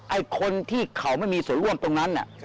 ไอ้คนที่เขาไม่มีส่วนร่วมตรงนั้น